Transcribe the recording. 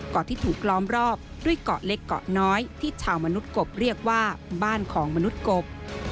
ที่ถูกล้อมรอบด้วยเกาะเล็กเกาะน้อยที่ชาวมนุษย์กบเรียกว่าบ้านของมนุษย์กบ